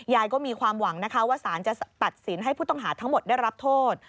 ก็มีความหวังนะคะว่าสารจะตัดสินให้ผู้ต้องหาทั้งหมดได้รับโทษ